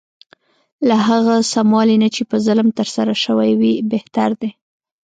له هغه سموالي نه چې په ظلم ترسره شوی وي بهتر دی.